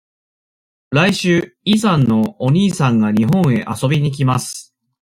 来週イさんのお兄さんが日本へ遊びに来ます。